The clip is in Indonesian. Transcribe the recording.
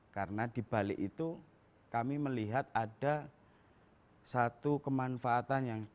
karena dibalik itu kami melihat ada satu kemanfaatan yang sangat